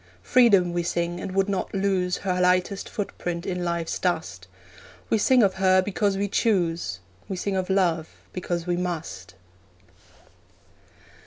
Freedom we sing, and would not lose Her lightest footprint in life's dust. We sing of her because we choose, We sing of love because we must.